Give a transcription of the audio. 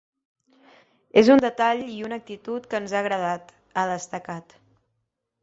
“És un detall i una actitud que ens ha agradat”, ha destacat.